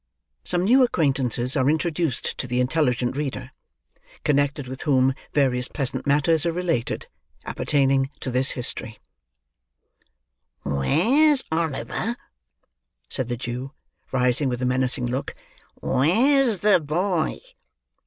SOME NEW ACQUAINTANCES ARE INTRODUCED TO THE INTELLIGENT READER, CONNECTED WITH WHOM VARIOUS PLEASANT MATTERS ARE RELATED, APPERTAINING TO THIS HISTORY "Where's Oliver?" said the Jew, rising with a menacing look. "Where's the boy?"